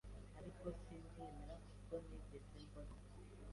Ariko simbyemera kuko ntigeze mbona